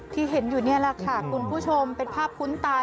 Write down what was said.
ที่เห็นอยู่นี่แหละค่ะคุณผู้ชมเป็นภาพคุ้นตา